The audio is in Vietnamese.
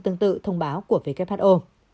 tương tự thông báo của who